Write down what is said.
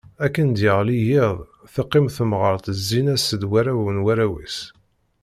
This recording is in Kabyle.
Akken d-yeɣli yiḍ, teqqim temɣert zzin-as-d warraw n warraw-is.